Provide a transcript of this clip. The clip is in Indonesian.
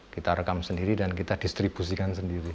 kita rekam sendiri dan kita distribusikan sendiri